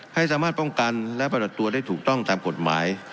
ให้สามารถป้องกันและประดับตัวได้ถูกต้องตามกฎหมาย